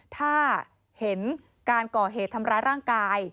ถ้าเห็นการก่อเหตุทำร้ายร่างกาย